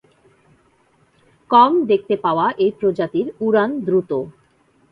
কম দেখতে পাওয়া এই প্রজাতির উড়ান দ্রুত।